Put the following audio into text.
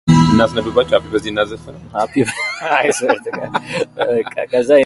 Elster chose to negotiate.